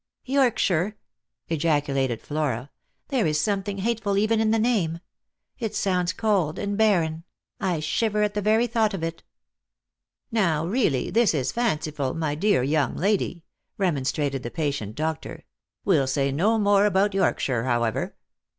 " Yorkshire !" ejaculated Flora ;" there is something hateful even in the name. It sounds cold and barren. I shiver at the very thought of it." " Now, really this is fanciful, my dear young lady, remon strated the patient doctor ;" we'll say no more about Yorkshire, however.